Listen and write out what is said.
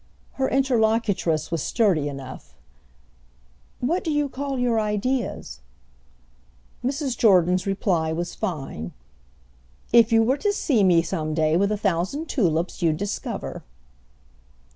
Her interlocutress was sturdy enough. "What do you call your ideas?" Mrs. Jordan's reply was fine. "If you were to see me some day with a thousand tulips you'd discover."